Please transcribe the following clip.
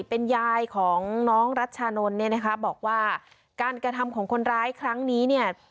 เป็นยายของน้องรัชชานนท์เนี่ยนะคะบอกว่าการกระทำของคนร้ายครั้งนี้เนี่ย